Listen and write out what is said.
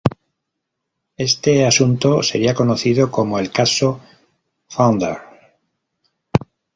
Este asunto sería conocido como el "Caso Panther".